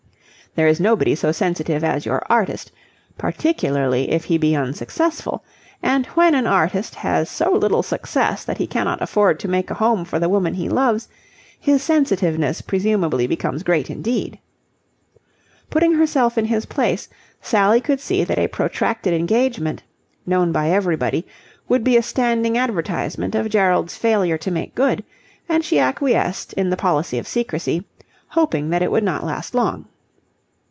There is nobody so sensitive as your artist, particularly if he be unsuccessful: and when an artist has so little success that he cannot afford to make a home for the woman he loves, his sensitiveness presumably becomes great indeed. Putting herself in his place, Sally could see that a protracted engagement, known by everybody, would be a standing advertisement of Gerald's failure to make good: and she acquiesced in the policy of secrecy, hoping that it would not last long.